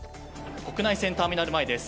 国内線ターミナル前です。